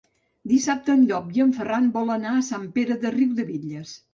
Dissabte en Llop i en Ferran volen anar a Sant Pere de Riudebitlles.